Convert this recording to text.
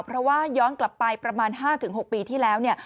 เพราะว่าย้อนกลับไปประมาณ๕๖ปีที่แล้วเนี่ย